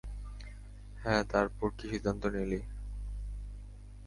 হ্যাঁঁ তারপর কি সিদ্ধান্ত নিলি?